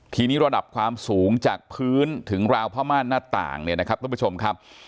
ทีนี้ระดับความสูงจากพื้นถึงราวผ้าม่านหน้าต่างเนี่ยนะครับท่านผู้ชมครับ